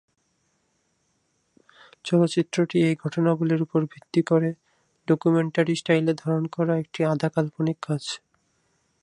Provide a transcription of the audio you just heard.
চলচ্চিত্রটি এই ঘটনাবলির উপর ভিত্তি করে ডকুমেন্টারি-স্টাইলে ধারণ করা একটি আধা-কাল্পনিক কাজ।